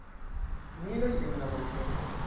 Miloj en la mondo.